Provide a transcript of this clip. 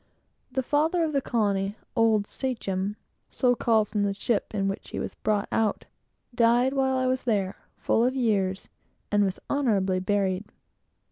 The father of the colony, old Sachem, so called from the ship in which he was brought out, died while I was there, full of years, and was honorably buried.